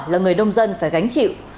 là người đông dân phải gánh chịu